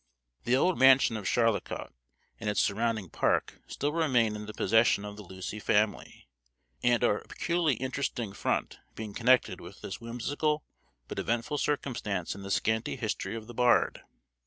The old mansion of Charlecot and its surrounding park still remain in the possession of the Lucy family, and are peculiarly interesting front being connected with this whimsical but eventful circumstance in the scanty history of the bard.